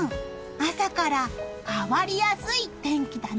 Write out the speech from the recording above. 朝から変わりやすい天気だね。